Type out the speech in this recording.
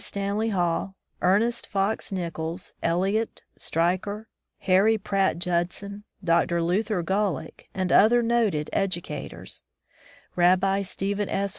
Stanley Hall, Ernest Pox Nichols, Eliot, Stryker, Harry Pratt Judson, Dr. Luther Gulick, and other noted educators ; Rabbi Stephen S.